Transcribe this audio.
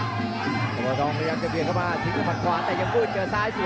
ตะเบาทองก็ยังจะเบียดเข้ามาทิ้งด้วยมัดขวาแต่ยังมืดเกี่ยวซ้ายส่วน